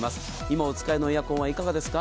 今お使いのエアコンはいかがですか？